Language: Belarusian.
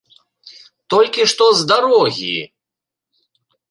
Толькі што з дарогі!